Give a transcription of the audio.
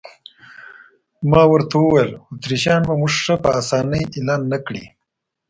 ما ورته وویل: اتریشیان به مو هم ښه په اسانۍ اېله نه کړي.